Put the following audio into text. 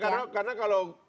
karena kalau kadang kadang ya